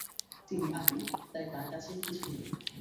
তিনি আদি, তাই তার আগে কিছু নেই।